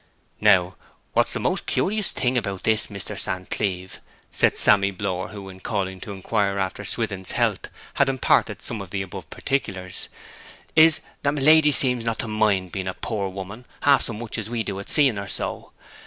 'Now, what's the most curious thing in this, Mr. San Cleeve,' said Sammy Blore, who, in calling to inquire after Swithin's health, had imparted some of the above particulars, 'is that my lady seems not to mind being a pore woman half so much as we do at seeing her so.